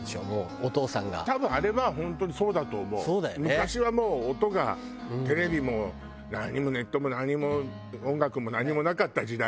昔はもう音がテレビも何もネットも何も音楽も何もなかった時代に。